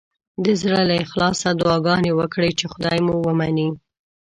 د زړه له اخلاصه دعاګانې وکړئ چې خدای مو ومني.